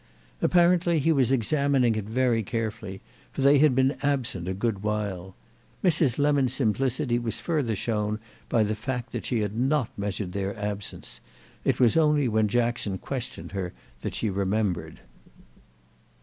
Apparently he was examining it very carefully, for they had been absent a good while. Mrs. Lemon's simplicity was further shown by the fact that she had not measured their absence; it was only when Jackson questioned her that she remembered.